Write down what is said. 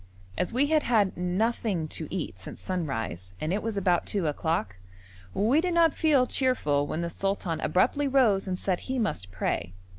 As we had had nothing to eat since sunrise, and it was about two o'clock, we did not feel cheerful when the sultan abruptly rose and said he must pray.